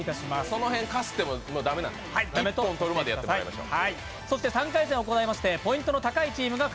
その辺かすっても駄目、一本取るまでやってもらいましょう。